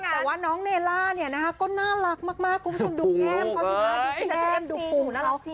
แต่ว่าน้องเนล่าก็น่ารักมากคุณผู้ชมดูกแก้มดูกกุ่งเขา